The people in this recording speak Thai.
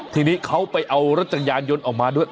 ทีนี้เขาไปเอารถจักรยานยนต์ออกมาด้วย